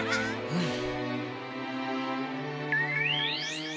うん！